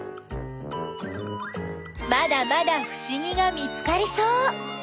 まだまだふしぎが見つかりそう！